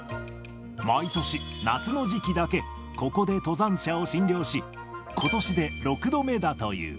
毎年、夏の時期だけ、ここで登山者を診療し、ことしで６度目だという。